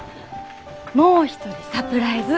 もう一人サプライズ。